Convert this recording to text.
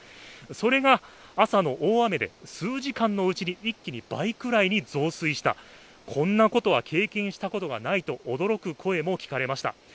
それが朝の大雨で数時間のうちに一気に倍くらいの増水したこんなことは経験したことがないと驚く声も聞かれました。